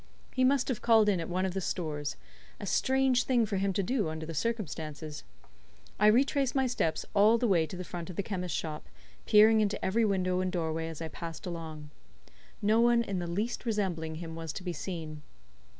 He must have called in at one of the stores; a strange thing for him to do under the circumstances. I retraced my steps all the way to the front of the chemist's shop, peering into every window and doorway as I passed along. No one in the least resembling him was to be seen.